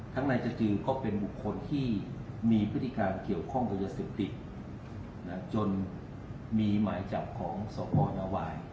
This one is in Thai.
นายจจือก็เป็นบุคคลที่มีพฤติการเกี่ยวข้องกับยาเสพติดจนมีหมายจับของสพนวาย